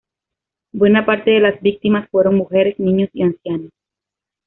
Buena parte de las víctimas fueron mujeres, niños y ancianos.